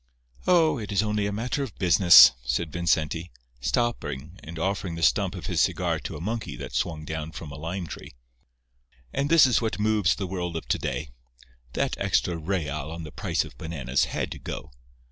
"Oh, it is only a matter of business," said Vincenti, stopping and offering the stump of his cigar to a monkey that swung down from a lime tree; "and that is what moves the world of to day. That extra real on the price of bananas had to go.